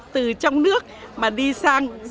từ trong nước mà đi sang